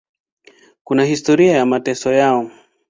Kuna historia ya mateso yao.